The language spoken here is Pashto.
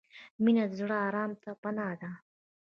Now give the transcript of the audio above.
• مینه د زړه د آرام پناه ده.